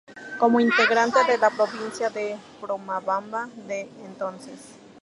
Como integrante de la provincia de Pomabamba de entonces.